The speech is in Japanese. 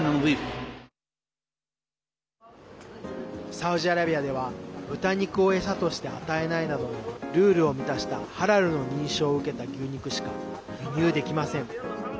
サウジアラビアでは豚肉を餌として与えないなどのルールを満たしたハラルの認証を受けた牛肉しか輸入できません。